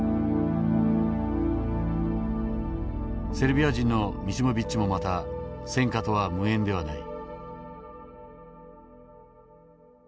セルビア人のミシモビッチもまた戦禍とは無縁ではない。